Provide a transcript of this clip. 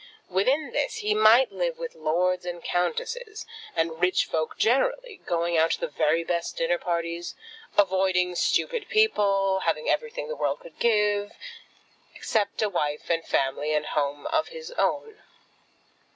Within this he might live with lords and countesses and rich folk generally, going out to the very best dinner parties, avoiding stupid people, having everything the world could give, except a wife and family and home of his own.